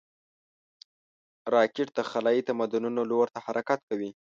راکټ د خلایي تمدنونو لور ته حرکت کوي